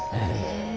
へえ。